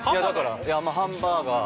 ハンバーガー？